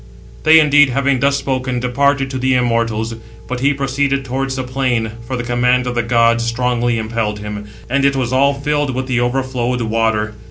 They indeed having thus spoken, departed to the immortals. But he proceeded towards the plain (for the command of the gods strongly impelled him), and it was all filled with the overflowed water.